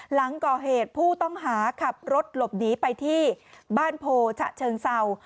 หลังก่อเหตุผู้ต้องหาขับรถหลบหนีไปที่บ้านโพชะเชิงเศร้า